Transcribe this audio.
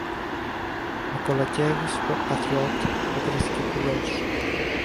Με κολακεύεις, πατριώτη, αποκρίθηκε ο κουλός